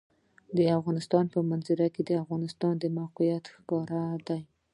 د افغانستان په منظره کې د افغانستان د موقعیت ښکاره ده.